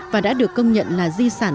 và đã được công nhận là di sản